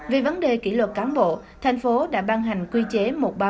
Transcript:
về vấn đề kỷ luật cán bộ thành phố đã ban hành quy chế một nghìn ba trăm bảy mươi bốn